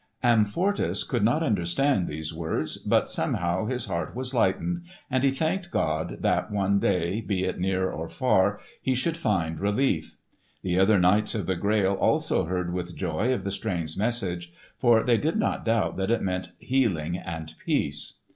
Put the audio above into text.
Amfortas could not understand these words, but somehow his heart was lightened, and he thanked God that one day, be it near or far, he should find relief. The other Knights of the Grail also heard with joy of the strange message, for they did not doubt that it meant healing and peace.